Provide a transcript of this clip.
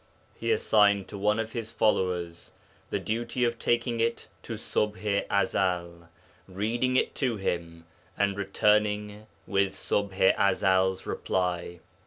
He assigned to one of his followers the duty of taking it to Ṣubḥ i Ezel, reading it to him, and returning with Ṣubḥ i Ezel's reply.